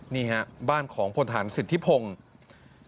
นี่ครับบ้านของพลฐานสิทธิพงฮง